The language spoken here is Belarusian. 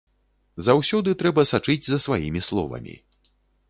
Заўсёды трэба сачыць за сваімі словамі!